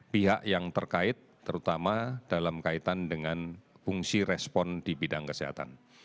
pihak yang terkait terutama dalam kaitan dengan fungsi respon di bidang kesehatan